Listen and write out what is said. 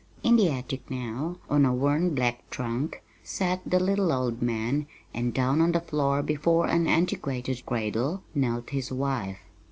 In the attic now, on a worn black trunk, sat the little old man, and down on the floor before an antiquated cradle knelt his wife.